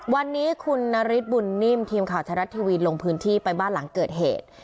วันนี้คุณนฤทธบุญนิ่มทีมข่าวไทยรัฐทีวีลงพื้นที่ไปบ้านหลังเกิดเหตุ